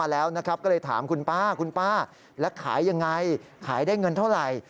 แล้วขายยังไงขายได้เงินเท่าไหร่